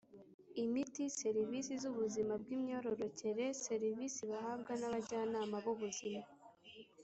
Imiti serivisi z ubuzima bw imyororokere serivisi bahabwa n abajyanama b ubuzima